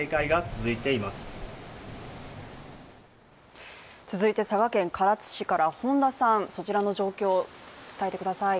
続いて佐賀県唐津市から本田さん、そちらの状況、伝えてください。